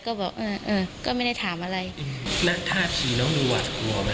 ก็บอกอืมอืมก็ไม่ได้ถามอะไรอืมแล้วถ้าที่น้องดูหวาดกลัวมันถ้าเกิดอะไร